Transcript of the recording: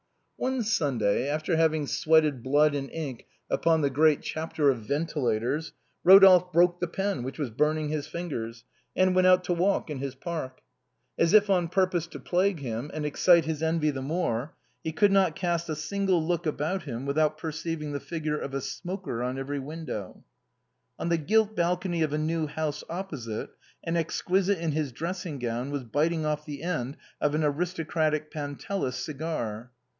One Sunday, after having sweated blood and ink upon the great chapter on ventilators, Eodolphe broke the pen, which was biirning his fingers, and went out to walk — in his " park." As if on purpose to plague him, and excite his envy the more, he could not cast a single look about him without perceiving the figure of a smoker at every window. ALI RODOLPHE ; OR, THE TURK PERFORCE. 50 On the gilt balcony of a new house opposite, an exquisite in his dressing gown was biting off the end of an aristo cratic " Panatellas " cigar.